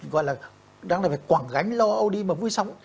gọi là đang là phải quảng gánh lo âu đi mà vui sống